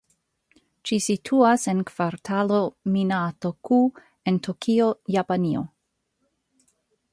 Ĝi situas en Kvartalo Minato-ku en Tokio, Japanio.